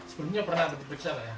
sebelumnya pernah berjalan ya